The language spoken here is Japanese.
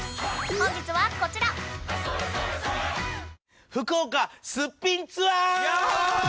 本日はこちら『福岡すっぴんツアー』！